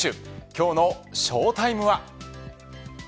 今日のショータイムは。